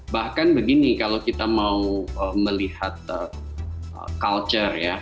bahkan begini kalau kita mau melihat culture ya